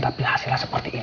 tapi hasilnya seperti ini